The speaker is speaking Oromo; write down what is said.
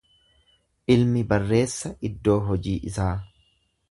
Ilmi barreessa iddoo hojii isaa.